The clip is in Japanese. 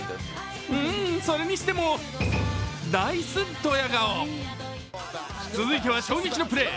うん、それにしてもナイスドヤ顔続いては衝撃のプレー。